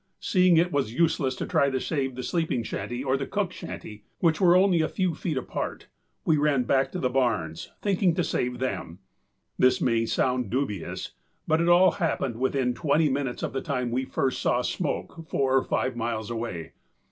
Seeing it was useless to try to save the sleeping shanty or the cook shanty, which were only a few feet apart, we ran back to the barns, thinking to save them. This may sound dubious, but it all happened within twenty minutes of the time we first saw smoke four or five miles away.